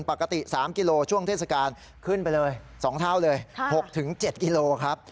ปกติ๓กิโลช่วงเทศกาลขึ้นไปเลย๒เท่าเลย๖๗กิโลครับ